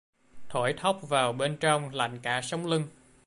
Thổi thốc vào bên trong lạnh cả sống lưng